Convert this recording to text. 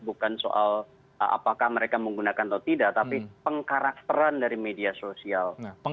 bukan soal apakah mereka menggunakan atau tidak tapi pengkarakteran dari media sosial